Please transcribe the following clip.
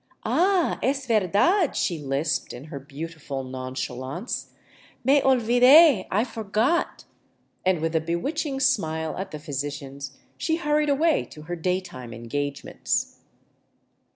" Ah, es verdad !" she lisped, in her beautiful nonchalance, " Me olvide — I forgot," and with a bewitching smile at the physicians she hurried away to her daytime engagements.